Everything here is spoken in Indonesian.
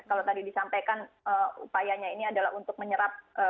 kalau tadi disampaikan upayanya ini adalah untuk menyerap